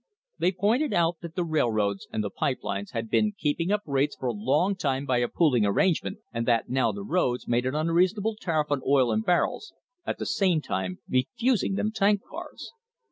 They pointed out that the railroads and the pipe lines had been keeping up rates for a long time by a pooling arrangement, and that now the roads made an unreasonable tariff on oil in bar rels, at the same time refusing them tank cars.